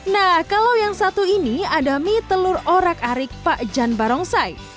nah kalau yang satu ini ada mie telur orak arik pak jan barongsai